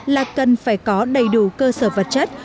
là cần phải có đầy đủ cơ sở vật chất